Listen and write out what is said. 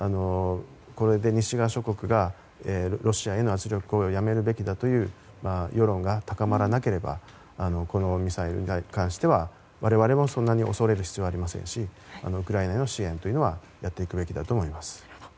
これで西側諸国がロシアへの圧力をやめるべきだという世論が高まらなければこのミサイルに関しては我々も、そんなに恐れる必要はありませんしウクライナへの支援というのはやっていくべきだと思います。